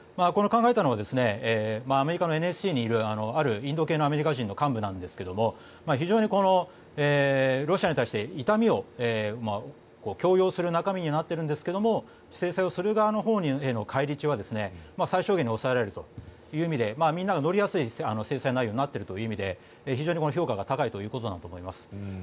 これを考えたのはアメリカのＮＳＣにいるあるインド系のアメリカ人の幹部なんですが非常にロシアに対して痛みを強要する中身になっているんですけど制裁をする側への返り血は最小限に抑えられるという意味でみんなが乗りやすい制裁内容になっているという意味で評価が高いんだと思います。